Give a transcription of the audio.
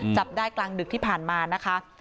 จับได้กลางดึกที่ผ่านมานะคะ